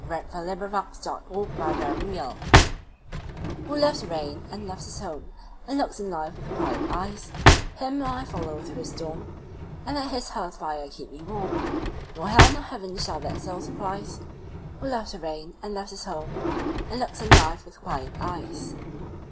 1917. Who Loves the Rain By Frances Shaw WHO loves the rainAnd loves his home, And looks on life with quiet eyes, Him will I follow through the storm; And at his hearth fire keep me warm; Nor hell nor heaven shall that soul surprise, Who loves the rain, And loves his home, And looks on life with quiet eyes.